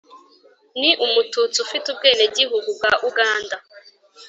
ni umututsi ufite ubwenegihugu bwa uganda.